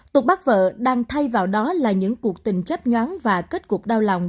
tục bắt vợ đang thay vào đó là những cuộc tình chấp nhoán và kết cuộc đau lòng